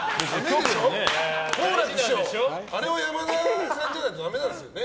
好楽師匠、あれは山田さんじゃないとダメなんですよね？